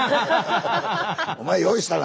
「お前用意したな」